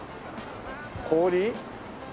氷？